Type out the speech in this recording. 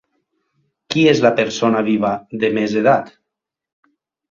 Qui és la persona viva de més edat?